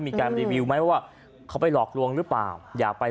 มีการรีวิวไหมว่าเขาไปหลอกลวงหรือเปล่าอยากไป